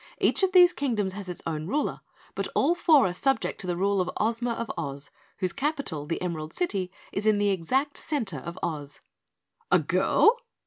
Each of these Kingdoms has its own ruler, but all four are subject to the rule of Ozma of Oz, whose capital, the Emerald City, is in the exact center of Oz." "A girl?"